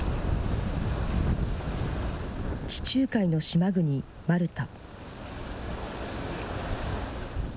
地中海の島国、マルタ。